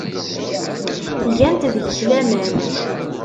Gant deg-k laman.